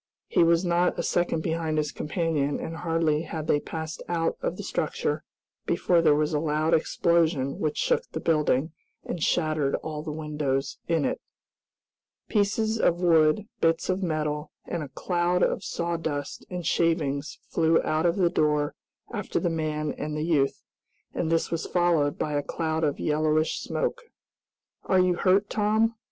He was not a second behind his companion, and hardly had they passed out of the structure before there was a loud explosion which shook the building, and shattered all the windows in it. Pieces of wood, bits of metal, and a cloud of sawdust and shavings flew out of the door after the man and the youth, and this was followed by a cloud of yellowish smoke. "Are you hurt, Tom?"